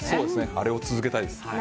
あれを続けたいですね。